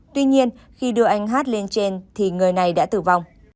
tuy nhiên khi đưa anh hát lên trên thì người này đã tử vong